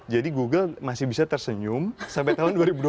jadi google masih bisa tersenyum sampai tahun dua ribu dua puluh di irlandia